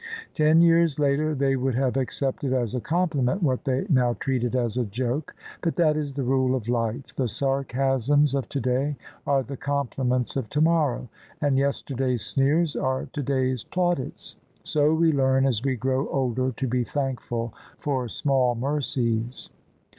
Ten years later they would have accepted as a compliment what they now treated as a joke. But that is the rule of life : the sarcasms of today are the compliments of tomorrow, and yesterday's sneers are today's plaudits. So we learn as we grow older to be thankful for small mercies.